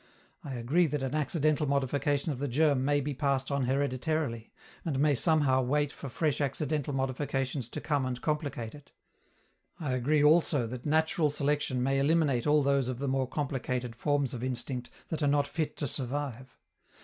I agree that an accidental modification of the germ may be passed on hereditarily, and may somehow wait for fresh accidental modifications to come and complicate it. I agree also that natural selection may eliminate all those of the more complicated forms of instinct that are not fit to survive.